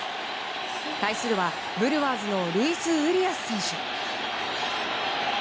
対するはブルワーズのルイス・ウリアス選手。